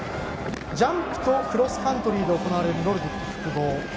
ジャンプとクロスカントリーで行われるノルディック複合。